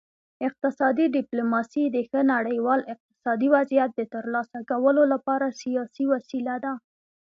اقتصادي ډیپلوماسي د ښه نړیوال اقتصادي وضعیت د ترلاسه کولو لپاره سیاسي وسیله ده